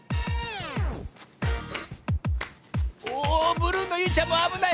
おブルーのゆいちゃんもあぶない。